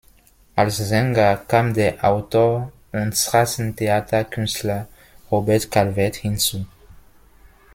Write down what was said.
Als Sänger kam der Autor und Straßentheater-Künstler Robert Calvert hinzu.